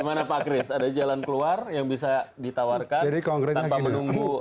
gimana pak kris ada jalan keluar yang bisa ditawarkan tanpa menunggu